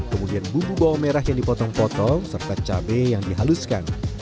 kemudian bumbu bawang merah yang dipotong potong serta cabai yang dihaluskan